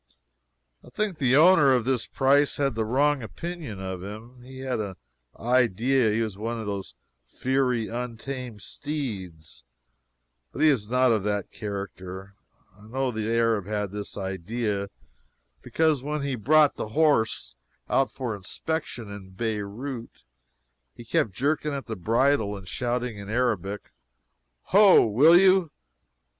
I think the owner of this prize had a wrong opinion about him. He had an idea that he was one of those fiery, untamed steeds, but he is not of that character. I know the Arab had this idea, because when he brought the horse out for inspection in Beirout, he kept jerking at the bridle and shouting in Arabic, "Ho! will you?